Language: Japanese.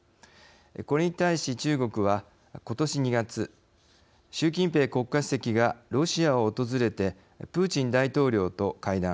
これに対し中国は今年２月習近平国家主席がロシアを訪れてプーチン大統領と会談。